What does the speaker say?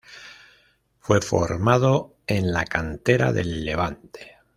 Fue formado en la cantera del Levante.